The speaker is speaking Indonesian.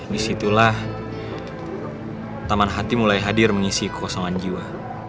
di situlah taman hati mulai hadir mengisi kosongan jiwa